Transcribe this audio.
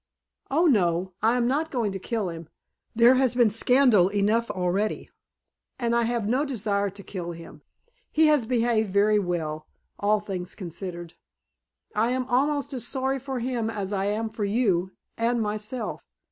"Oh, no. I am not going to kill him. There has been scandal enough already. And I have no desire to kill him. He has behaved very well, all things considered. I am almost as sorry for him as I am for you and myself!